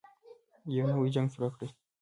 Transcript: يو نـوی جـنګ شروع كړئ.